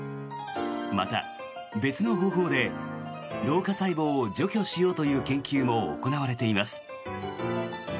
また、別の方法で老化細胞を除去しようという研究も行われています。